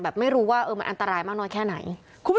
ไม่รู้ว่ามันอันตรายมากน้อยแค่ไหน